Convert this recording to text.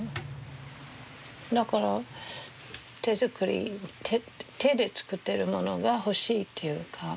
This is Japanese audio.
だから手作り手で作ってるものが欲しいっていうか。